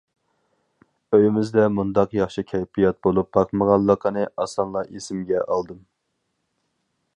ئۆيىمىزدە مۇنداق ياخشى كەيپىيات بولۇپ باقمىغانلىقىنى ئاسانلا ئېسىمگە ئالدىم.